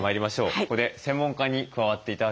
ここで専門家に加わって頂きます。